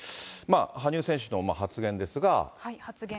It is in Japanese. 羽生選手の発言ですが発言